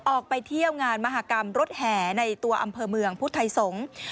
ออกไปเที่ยวงานมหากรรมรถแห่ในตัวอำเภอเมืองพุทธไทยสงฆ์